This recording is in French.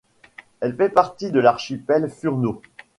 Elle fait partie de l'archipel Furneaux.